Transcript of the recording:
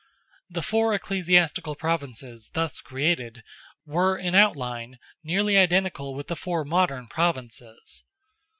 The four ecclesiastical Provinces thus created were in outline nearly identical with the four modern Provinces.